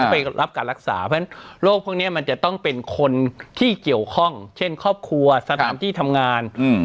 ไปรับการรักษาเพราะฉะนั้นโรคพวกนี้มันจะต้องเป็นคนที่เกี่ยวข้องเช่นครอบครัวสถานที่ทำงาน